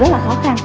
rất là khó khăn